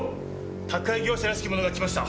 宅配業者らしきものが来ました。